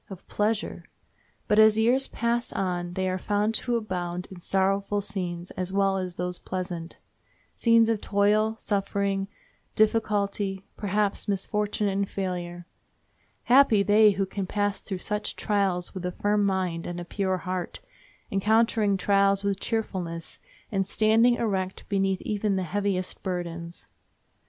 of pleasure! But as years pass on they are found to abound in sorrowful scenes as well as those pleasant—scenes of toil, suffering, difficulty, perhaps misfortune and failure. Happy they who can pass through such trials with a firm mind and a pure heart, encountering trials with cheerfulness, and standing erect beneath even the heaviest burdens.